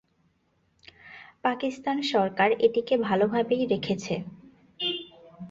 পাকিস্তান সরকার এটিকে ভালভাবেই রেখেছে।